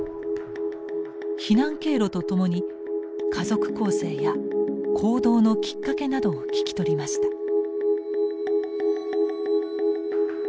避難経路とともに家族構成や行動のきっかけなどを聞き取りました。